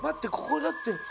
ここだって。